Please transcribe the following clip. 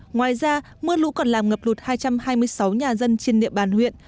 ngoài ra mưa lũ còn làm ngập lụt hai trăm hai mươi sáu nhà dân trên địa bàn huyện